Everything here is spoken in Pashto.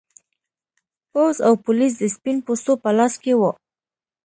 پوځ او پولیس د سپین پوستو په لاس کې و.